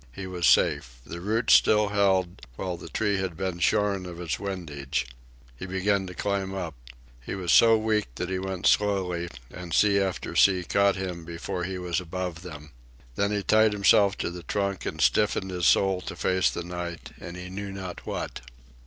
He was safe. The roots still held, while the tree had been shorn of its windage. He began to climb up. He was so weak that he went slowly, and sea after sea caught him before he was above them. Then he tied himself to the trunk and stiffened his soul to face the night and he knew not what.